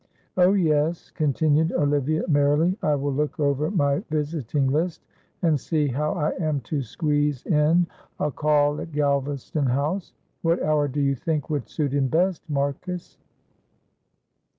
Oh, yes," continued Olivia, merrily, "I will look over my visiting list, and see how I am to squeeze in a call at Galvaston House. What hour do you think would suit him best, Marcus?"